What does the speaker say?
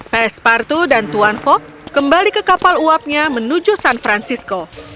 pespartu dan tuan fok kembali ke kapal uapnya menuju san francisco